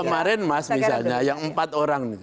kemarin mas misalnya yang empat orang